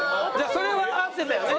それは合ってたよね。